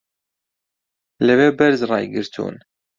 لەوێ بەرز ڕایگرتوون